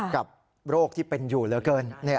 กับโรคที่เป็นอยู่เหลือเกิน